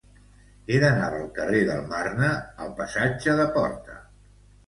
He d'anar del carrer del Marne al passatge de Porta.